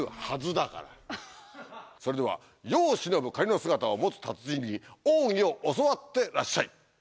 それでは世を忍ぶ仮の姿を持つ達人に奥義を教わってらっしゃい！